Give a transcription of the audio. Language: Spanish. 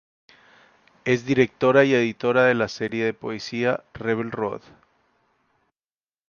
Es directora y editora de la serie de poesía Rebel Road.